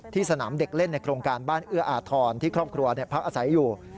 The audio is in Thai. สนามเด็กเล่นในโครงการบ้านเอื้ออาทรที่ครอบครัวพักอาศัยอยู่